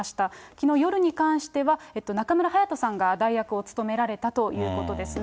きのう夜に関しては、中村隼人さんが代役を務められたということですね。